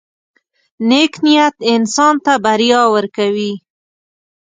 • نیک نیت انسان ته بریا ورکوي.